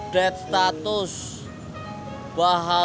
gak cukup pulsaanya